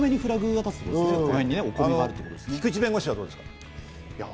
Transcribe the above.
菊地弁護士はどうですか？